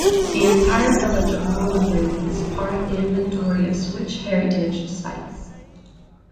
The entire village of Molondin is part of the Inventory of Swiss Heritage Sites.